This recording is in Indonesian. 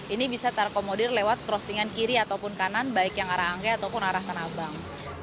ini bisa terkomodir lewat crossingan kiri ataupun kanan baik yang arah angke ataupun arah tanah abang